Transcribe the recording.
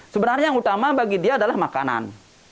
sebenarnya yang utama bagi dia adalah makanan